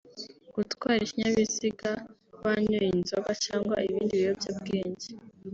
gutwara ikinyabiziga wanyoye inzoga cyangwa ibindi biyobyabwenge